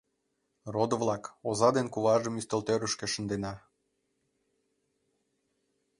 Родо-влак, оза ден куважым ӱстелтӧрышкӧ шындена.